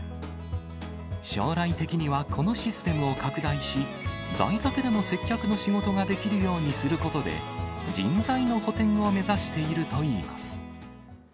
将来的にはこのシステムを拡大し、在宅でも接客の仕事ができるようにすることで、人材の補填を目指しているといいます。